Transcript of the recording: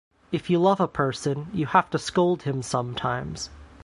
If you love a person you have to scold him sometimes.